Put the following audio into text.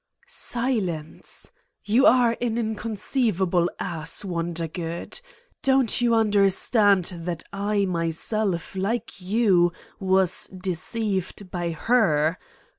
"Silence! You are an inconceivable ass, Won dergood! Don't you understand that I myself, like you, was deceived by her!